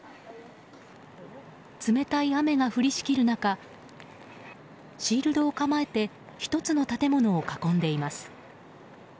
冷たい雨が降りしきる中シールドを構えて１つの建物を囲んでいます。